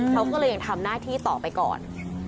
เขาก็เลยยังทำหน้าที่ต่อไปก่อน